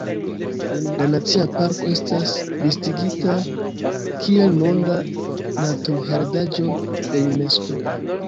La nacia parko estas listigita kiel Monda Naturheredaĵo de Unesko.